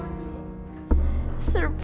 aku mau ke rumah